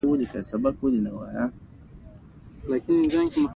لاسي څراغ مړ شو او کوټه تیاره شوه